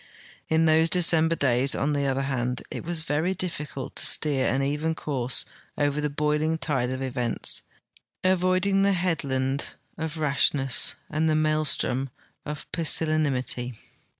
In those Decemljer days, on tlie other hand, it was very diflicult to steer an even course over the boiling tide of events, avoiding the headland of Rashness and the maelstrom of Pusillanimity.